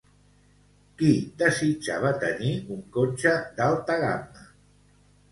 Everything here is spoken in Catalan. Qui desitjava tenir un cotxe d'alta gamma?